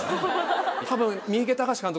多分。